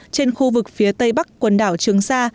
trên khu vực phía tây bắc quần đảo trường sa